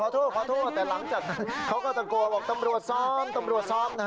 แต่หลังจากนั้นเขาก็ตะโกนว่าตำรวจซ้อมตำรวจซ้อม